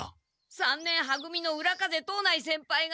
三年は組の浦風藤内先輩が。